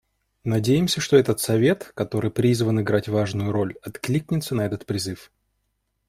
Надеемся, что этот Совет, который призван играть важную роль, откликнется на этот призыв.